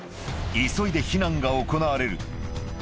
急いで避難が行われる。